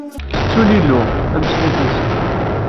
Ttettun Illu, Amsellek-nsen.